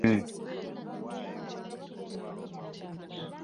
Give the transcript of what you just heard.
Atamanyi biga ku mwoyo gwa munne .